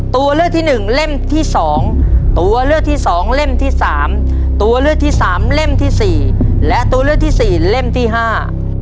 ตัวเลือกที่หนึ่งเล่มที่สองตัวเลือกที่สองเล่มที่สามตัวเลือกที่สามเล่มที่สี่และตัวเลือกที่สี่เล่มที่ห้า